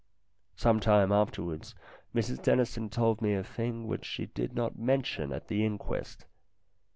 Some time afterwards Mrs Dennison told me a thing which she did not mention at the inquest.